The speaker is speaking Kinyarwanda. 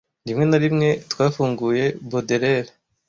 rimwe na rimwe twafunguye baudelaire